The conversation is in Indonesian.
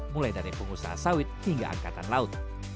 mulai dari pengusaha sawit hingga angkatan laut